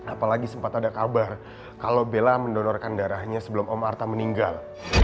apalagi sempat ada kabar kalau bella mendonorkan darahnya sebelum om artha meninggal